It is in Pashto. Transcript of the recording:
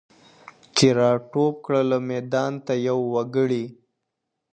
چي راټوپ كړله ميدان ته يو وگړي!!